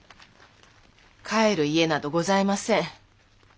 帰る家などございません。